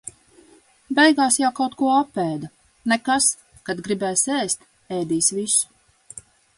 Beigās jau kaut ko apēda. Nekas, kad gribēs ēst, ēdis visu.